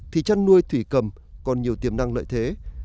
thì chăn nuôi thủy cầm còn nhiều tiềm năng lợi thế